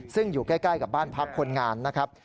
ซึ่งอยู่ใกล้กับบ้านพักคนงานนะครับ